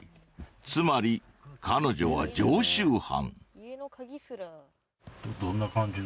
つまり彼女は常習犯。